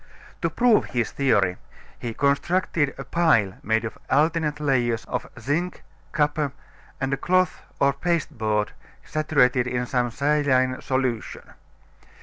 To prove his theory, he constructed a pile made of alternate layers of zinc, copper, and a cloth or pasteboard saturated in some saline solution.